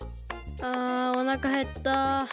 あおなかへった！